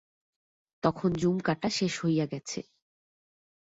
তখন জুম কাটা শেষ হইয়া গেছে।